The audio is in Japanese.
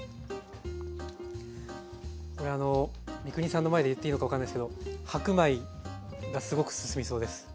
これあの三國さんの前で言っていいのか分かんないですけど白米がすごく進みそうです。